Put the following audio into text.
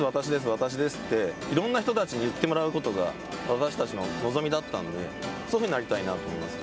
私ですって、いろんな人たちに言ってもらうことが私たちの望みだったんで、そういうふうになりたいなと思います。